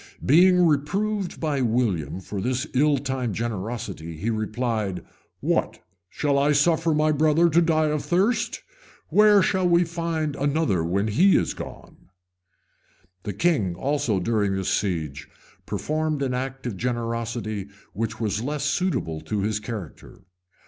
Being reproved by William for this ill timed generosity, he replied, "What, shall I suffer my brother to die of thirst? Where shall we find another when he is gone?" The king also, during this siege, performed an act of generosity which was less suitable to his character.